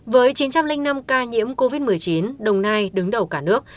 với chín trăm linh năm ca nhiễm covid một mươi chín đồng nai đứng đầu cả nước